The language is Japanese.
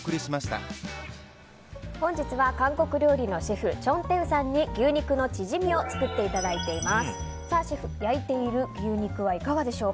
本日は韓国料理のシェフチョン・テウさんに牛肉のチヂミを作っていただいています。